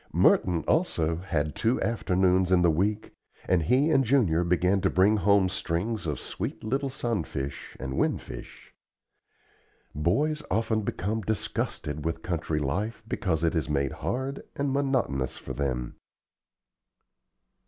Merton, also, had two afternoons in the week and he and Junior began to bring home strings of sweet little sunfish and winfish. Boys often become disgusted with country life because it is made hard and monotonous for them.